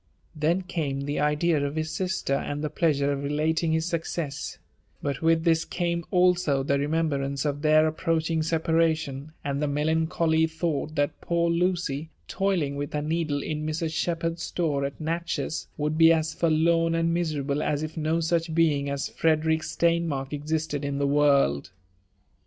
Then came the idea of his sister, and the pleasure of relaliqg his success ; but with ibis eamo also the remembrance of their ap proaching separation, ikod the melancholy thought that poor Lucy, jtoiljai with her needle in Mrs. Shepherd's store at Natchez, woyuld b^ ^s {orlorn and miserable as if no sneb being as Frederick Steinmark ojiated m the world.